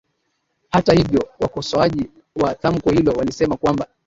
Hata hivyo wakosoaji wa tamko hilo walisema kwamba